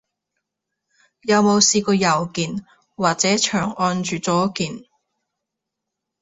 有冇試過右鍵，或者長撳住左鍵？